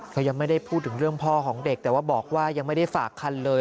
ก็ยังไม่ได้พูดถึงเรื่องพ่อของเด็กแต่ว่าบอกว่ายังไม่ได้ฝากคันเลย